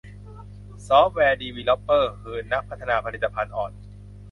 ซอฟต์แวร์ดีวีลอปเปอร์ คือ นักพัฒนาผลิตภัณฑ์อ่อน